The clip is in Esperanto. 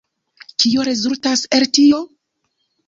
Kio rezultas el tio?